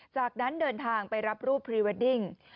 จากนั้นเดินทางไปรับรูปพรีเวดดิ้ง